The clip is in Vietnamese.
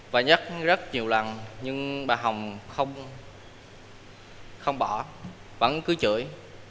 và nhắc rất nhiều lần nhưng bà hồng không bỏ vẫn cứ chửi